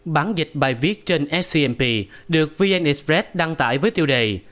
bản dịch bài viết trên scmp được vn express đăng tải với tiêu đề